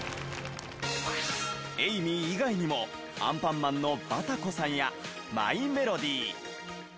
エイミー以外にも『アンパンマン』のバタコさんやマイメロディ。